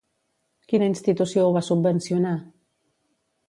Quina institució ho va subvencionar?